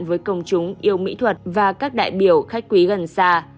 với công chúng yêu mỹ thuật và các đại biểu khách quý gần xa